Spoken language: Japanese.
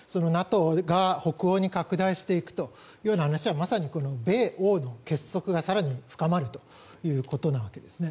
ＮＡＴＯが北欧に拡大していくという話はまさに米欧の結束が更に深まるということなんですね。